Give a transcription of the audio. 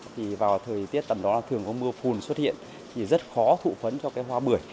thì vào thời tiết tầm đó là thường có mưa phùn xuất hiện thì rất khó thụ phấn cho cái hoa bưởi